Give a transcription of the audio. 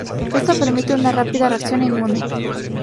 Esto permite una rápida reacción inmune.